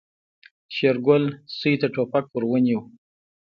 شېرګل سوی ته ټوپک ور ونيو.